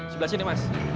sebelah sini mas